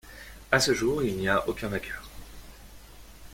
À ce jour, il n'y a aucun vainqueur.